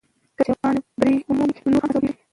که جاپان بری ومومي، نو نور هم هڅول کېږي.